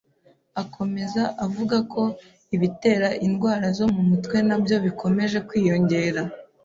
Akomeza avuga ko ibitera indwara zo mu mutwe nabyo bikomeje kwiyongera